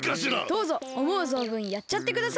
どうぞおもうぞんぶんやっちゃってください。